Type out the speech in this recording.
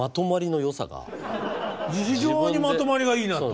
非常にまとまりがいいなと。